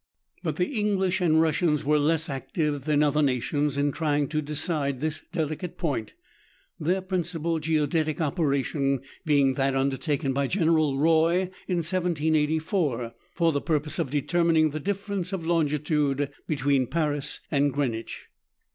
but the English and Russians were less active than other na tions in trying to decide this delicate point, their principal geodetic operation being that undertaken by General Roy in T784, for the purpose of determining the difference of longitude between Paris and Greenwich.